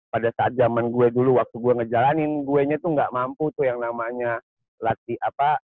pada saat zaman gue dulu waktu gue ngejalanin gue itu nggak mampu tuh yang namanya latihan dulu